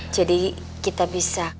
jadi kita bisa